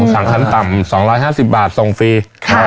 สั่งขั้นต่ำ๒๕๐บาทส่งฟรี